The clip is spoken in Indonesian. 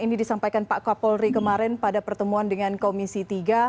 ini disampaikan pak kapolri kemarin pada pertemuan dengan komisi tiga